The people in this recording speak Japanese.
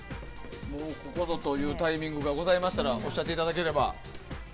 ここぞというタイミングがございましたらおっしゃっていただければ。